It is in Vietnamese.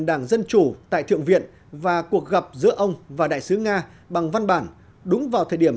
đảng dân chủ tại thượng viện và cuộc gặp giữa ông và đại sứ nga bằng văn bản đúng vào thời điểm